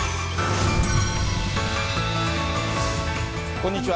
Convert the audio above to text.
こんにちは。